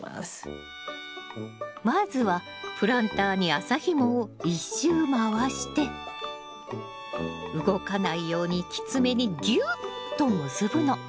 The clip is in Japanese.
まずはプランターに麻ひもを１周回して動かないようにきつめにギュッと結ぶの。